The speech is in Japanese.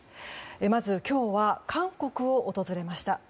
まず今日は韓国を訪れました。